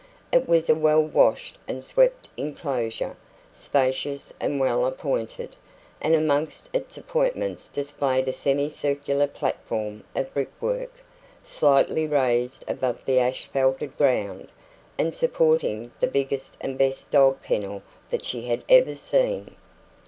It was a well washed and swept enclosure, spacious and well appointed, and amongst its appointments displayed a semi circular platform of brickwork, slightly raised above the asphalted ground, and supporting the biggest and best dog kennel that she had ever seen.